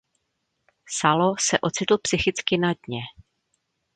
Salo se ocitl psychicky na dně.